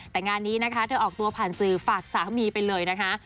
แต่งานนี้นะคะเธอออกตัวผ่านสื่อฝากสามีไปเลยนะคะ